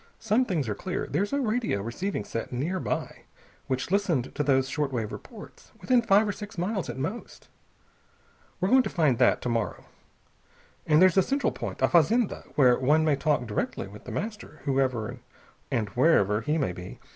"Some things are clear. There's a radio receiving set nearby, which listened to those short wave reports. Within five or six miles, at most. We're going to find that to morrow. And there's a central point, a fazenda, where one may talk direct with The Master, whoever and wherever he may be.